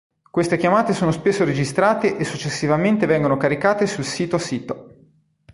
Queste chiamate sono spesso registrate e successivamente vengono caricate sul sito sito.